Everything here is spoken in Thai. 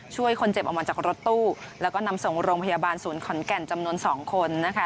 ช่วยคนเจ็บออกมาจากรถตู้แล้วก็นำส่งโรงพยาบาลศูนย์ขอนแก่นจำนวน๒คนนะคะ